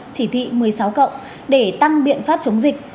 chỉ thị một mươi sáu cộng để tăng biện pháp chống dịch